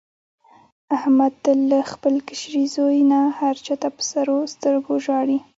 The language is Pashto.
احمد تل له خپل کشري زوی نه هر چا ته په سرو سترګو ژاړي.